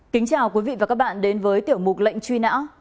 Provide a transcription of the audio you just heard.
kính chào quý vị và các bạn đến với tiểu mục lệnh truy nã